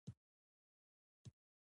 ورور ته تل وفادار یې.